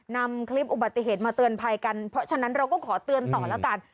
นำคลิปอุบัติเหตุมาเตือนภัยกันเพราะฉะนั้นเราก็ขอเตือนต่อแล้วกัน